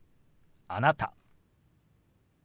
「あなた」。